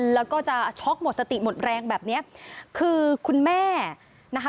แล้วก็จะช็อกหมดสติหมดแรงแบบเนี้ยคือคุณแม่นะคะ